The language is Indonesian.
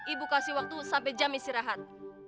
ibu kasih waktu sampai jam isi rehat